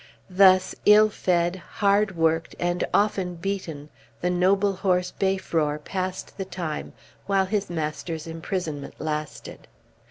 Thus, ill fed, hard worked, and often beaten, the noble horse Beiffror passed the time while his master's imprisonment lasted.